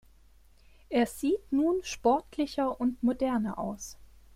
Er sieht nun sportlicher und moderner aus.